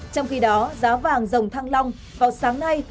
trong khi đó giá vàng dòng thăng long vào sáng nay